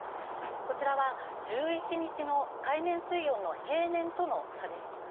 こちらは１１日の海面水温の平年との差です。